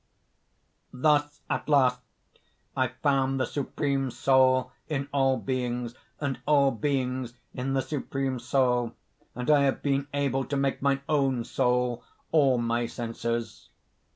"Thus at last I found the supreme Soul in all beings, and all beings in the supreme Soul; and I have been able to make mine own soul all my senses.